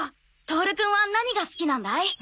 トオルくんは何が好きなんだい？